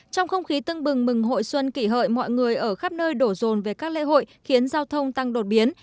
trong không khí tưng bừng mừng hội xuân kỷ hợi mọi người ở khắp nơi đổ rồn về các lễ hội khiến giao thông tăng đột biến